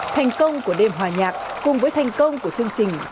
thành công của đêm hòa nhạc cùng với thành công của chương trình